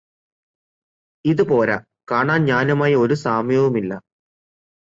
ഇത് പോര കാണാൻ ഞാനുമായി ഒരു സാമ്യവുമില്ലാ